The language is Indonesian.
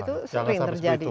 iya jangan sampai seperti itu